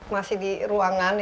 masih di ruangan